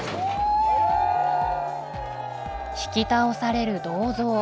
引き倒される銅像。